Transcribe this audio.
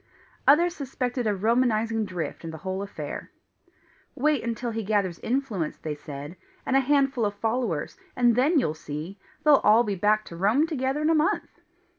Others suspected a Romanizing drift in the whole affair. "Wait until he gathers influence," they said, "and a handful of followers, and then you'll see! They'll be all back to Rome together in a month!"